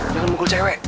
jangan mukul cewek